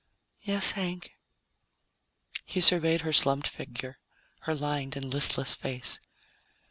"Yes, Hank." He surveyed her slumped figure, her lined and listless face.